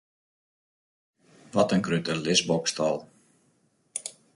Wat in grutte lisboksstâl!